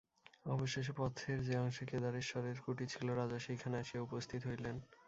অবশেষে পথের যে অংশে কেদারেশ্বরের কুটির ছিল, রাজা সেইখানে আসিয়া উপস্থিত হইলেন।